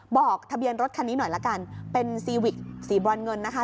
บอกทะเบียนรถคันนี้หน่อยละกันเป็นซีวิกสีบรอนเงินนะคะ